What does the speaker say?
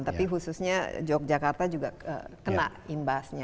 tapi khususnya yogyakarta juga kena imbasnya